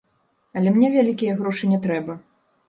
Але мне вялікія грошы не трэба.